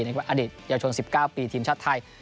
อดีตเยาวชน๑๙ปีทีมชาติไทย